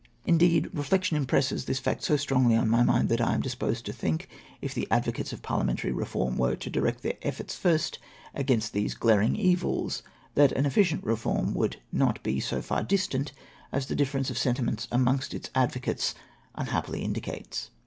Indeed, reflection impresses this fact so strongly on my mind, that I am disposed to think, if the advocates for Parliamentary Eeform were to direct their efforts first against these glaring evils, that an efficient Reform would not be so far distant as the difference of sentiments amongst its advocates unhappily indicates.